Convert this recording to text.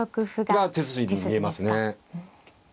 が手筋に見えますね。